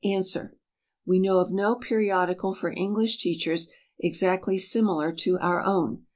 ANS. We know of no periodical for English teachers exactly similar to our own.